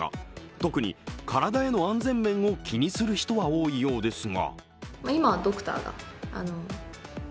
特に体への安全面を気にする人は多いようですが。